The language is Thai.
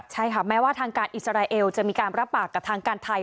ใช่ค่ะแม้ว่าทางการอิสราเอลจะมีการรับปากกับทางการไทย